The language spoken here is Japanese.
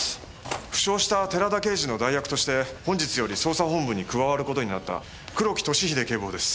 負傷した寺田刑事の代役として本日より捜査本部に加わる事になった黒木俊英警部補です。